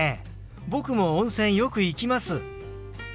僕も温泉よく行きます。